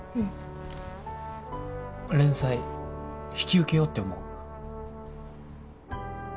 連載引き受けようって思う。